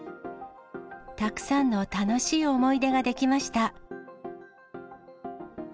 たくさんの楽しい思い出ができました。